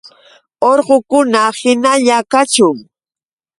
¡Uqukuna hinalla kachun!